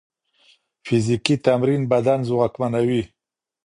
فزیکي تمرین بدن ځواکمنوي.